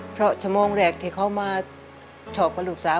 เพราะชั่วโมงแรกที่เขามาชอบกับลูกสาว